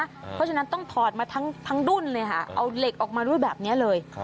เพราะฉะนั้นต้องถอดมาทั้งดุ้นเลยค่ะเอาเหล็กออกมาด้วยแบบนี้เลย